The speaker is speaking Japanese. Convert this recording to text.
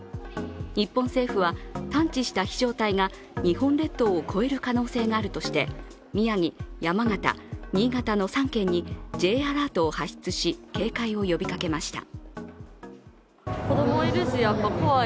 日本政府は探知した飛翔体が日本列島を越える可能性があるとして宮城、山形、新潟の３県にＪアラートを発出し警戒を呼びかけました。